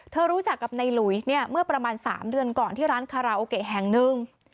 เธอรู้จักกับในหลุยเนี่ยเมื่อประมาณสามเดือนก่อนที่ร้านแห่งหนึ่ง